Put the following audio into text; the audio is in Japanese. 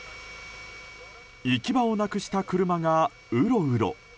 行き場をなくした車がうろうろ。